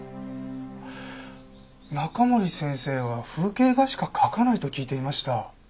中森先生は風景画しか描かないと聞いていました。